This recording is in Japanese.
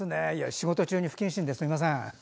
仕事中に不謹慎ですみません。